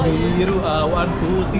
langit biru awan putih